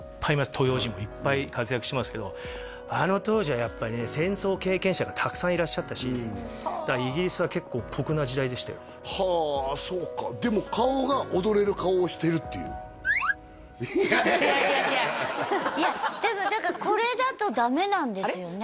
東洋人もいっぱい活躍してますけどあの当時はやっぱりね戦争経験者がたくさんいらっしゃったしだからイギリスは結構酷な時代でしたよはあそうかでも顔が踊れる顔をしてるっていういやいやいやいやいやいやいやいやでもだからこれだとダメなんですよね？